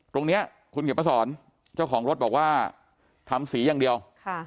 ตรงเนี้ยคุณเกียรติประสรจ้าของรถบอกว่าทำศรีอย่างเดียว